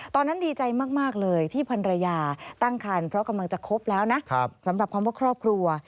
ตอนนั้นดีใจมากเลยที่พันรยาตั้งคันเพราะกำลังจะครบแล้วนะสำหรับคำว่าครอบครัว